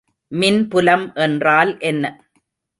மின்புலம் என்றால் என்ன?